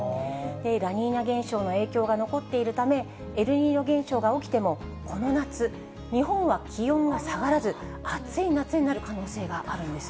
ラニーニャ現象の影響が残っているため、エルニーニョ現象が起きても、この夏、日本は気温が下がらず、暑い夏になる可能性があるんです。